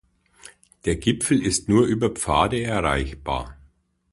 Der Gipfel ist nur über Pfade erreichbar.